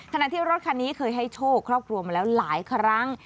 ขณะที่รถคันนี้เคยให้โชคครอบครัวมาแล้วหลายครั้ง